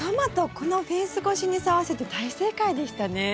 このフェンス越しに沿わせて大正解でしたね。